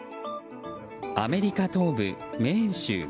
アメリカ東部メーン州。